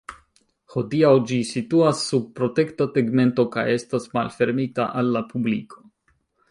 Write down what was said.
Hodiaŭ ĝi situas sub protekta tegmento kaj estas malfermita al la publiko.